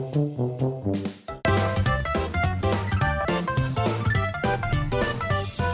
สวัสดีครับ